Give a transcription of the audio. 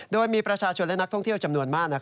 โดยมีประชาชนและนักท่องเที่ยวจำนวนมาก